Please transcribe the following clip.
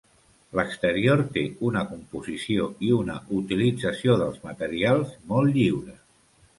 L'exterior té una composició i una utilització dels materials molt lliure.